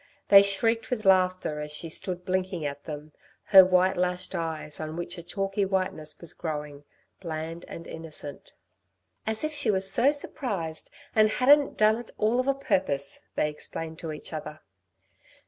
They shrieked with laughter as she stood blinking at them, her white lashed eyes, on which a chalky whiteness was growing, bland and innocent. "As if she were so surprised and hadn't done it all of a purpose," they explained to each other.